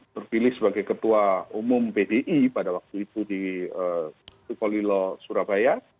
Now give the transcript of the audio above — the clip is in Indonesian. terpilih sebagai ketua umum pdi pada waktu itu di sukolilo surabaya